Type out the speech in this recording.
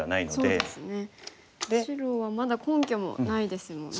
白はまだ根拠もないですもんね。